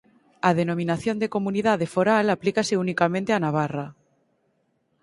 A denominación de Comunidade foral aplícase unicamente a Navarra.